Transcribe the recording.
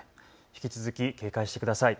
引き続き警戒してください。